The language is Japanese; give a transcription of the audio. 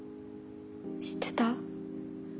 知ってた？